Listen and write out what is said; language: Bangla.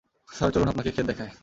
স্যার, চলুন আপনাকে ক্ষেত দেখাই।